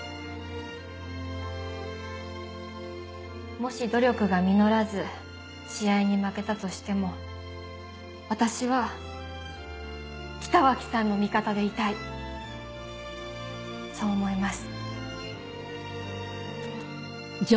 もし努力が実らず試合に負けたとしても私は北脇さんの味方でいたいそう思います。